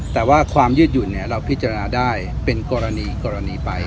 แต่ว่าความยืดหยุ่นเราพิจารณาได้เป็นกรณีไป